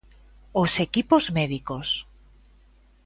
Os equipos médicos.